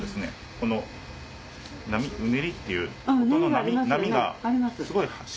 このうねりっていう音の波がすごい振幅が激しい。